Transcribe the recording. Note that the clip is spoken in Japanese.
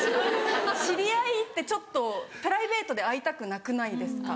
知り合いってちょっとプライベートで会いたくなくないですか？